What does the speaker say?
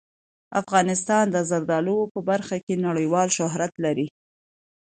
افغانستان د زردالو په برخه کې نړیوال شهرت لري.